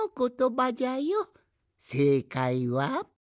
せいかいは。